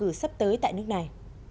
bầu cử sắp tới tại nước này